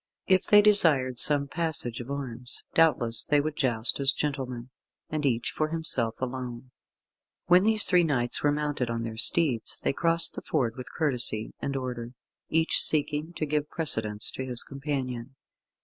If they desired some passage of arms, doubtless they would joust as gentlemen, and each for himself alone. When these three knights were mounted on their steeds, they crossed the ford with courtesy and order, each seeking to give precedence to his companion.